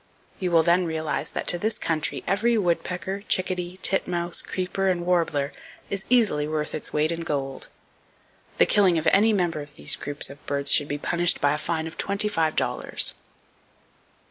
You will then realize that to this country every woodpecker, chickadee, titmouse, creeper and warbler is easily worth its weight in gold. The killing of any member of those groups of birds should be punished by a fine of twenty five dollars.